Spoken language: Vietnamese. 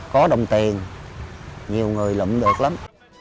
có đồng tiền nhiều người lụm được lắm